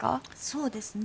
そうですね。